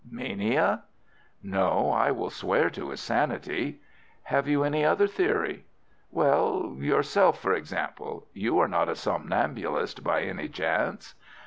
"Mania?" "No, I will swear to his sanity." "Have you any other theory?" "Well, yourself, for example. You are not a somnambulist, by any chance?"